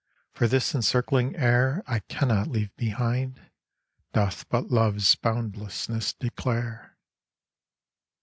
for this encircling air I cannot leave behind, doth but love's boundlessness declare.